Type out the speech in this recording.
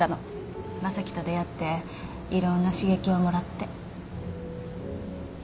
正樹と出会っていろんな刺激をもらって。